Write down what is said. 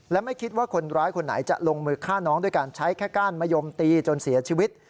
และไม่คิดว่าคนร้ายคนไหนจะลงมือฆ่าน้องด้วยการใช้แค่ก้านมะยมตีจนเสียชีวิต